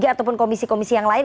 ataupun komisi komisi yang lain